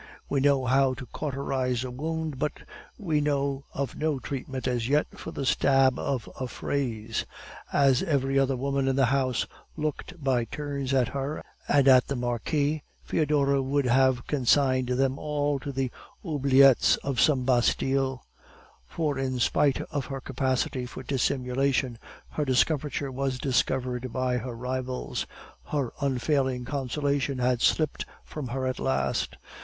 We know how to cauterize a wound, but we know of no treatment as yet for the stab of a phrase. As every other woman in the house looked by turns at her and at the Marquis, Foedora would have consigned them all to the oubliettes of some Bastille; for in spite of her capacity for dissimulation, her discomfiture was discerned by her rivals. Her unfailing consolation had slipped from her at last.